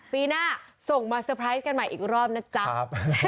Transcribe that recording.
ปีหน้าส่งมาสุดสนุกกันใหม่อีกรอบนะจ๊ะ